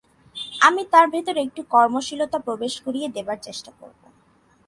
আমি তাঁর ভেতর একটু কর্মশীলতা প্রবেশ করিয়ে দেবার চেষ্টা করব।